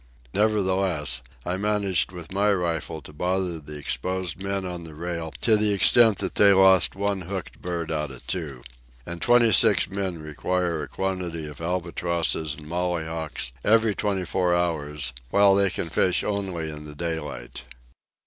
Nevertheless, I managed with my rifle to bother the exposed men on the rail to the extent that they lost one hooked bird out of two. And twenty six men require a quantity of albatrosses and mollyhawks every twenty four hours, while they can fish only in the daylight.